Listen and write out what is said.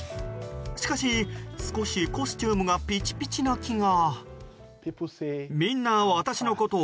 しかし、少しコスチュームがぴちぴちな気が。